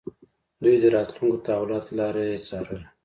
دوی د راتلونکو تحولاتو لاره يې څارله.